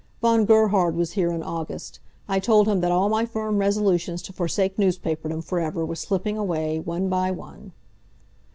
Von Gerhard was here in August. I told him that all my firm resolutions to forsake newspaperdom forever were slipping away, one by one.